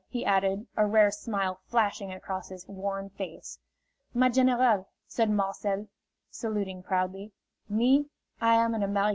he added, a rare smile flashing across his worn face. "My general," said Marcel, saluting proudly, "me, I am an American!"